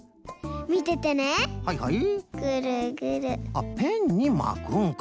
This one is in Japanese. あっペンにまくんか。